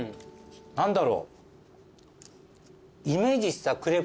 何だろう？